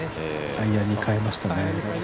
アイアンに変えましたね。